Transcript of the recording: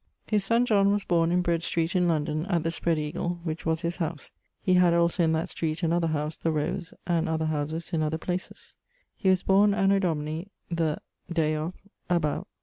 _> His son John was borne in Bread Street, in London, at the Spread Eagle, which was his house [he had also in that street another house, the Rose; and other houses in other places]. He was borne anno Domini ... the ... day of ..., about